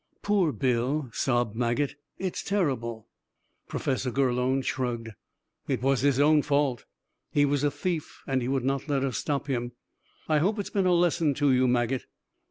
"Poor Bill," sobbed Maget. "It's terrible!" Professor Gurlone shrugged. "It was his own fault. He was a thief and he would not let us stop him. I hope it's been a lesson to you, Maget."